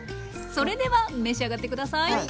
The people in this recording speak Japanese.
それでは召し上がって下さい！